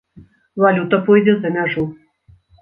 Валюта пойдзе за мяжу.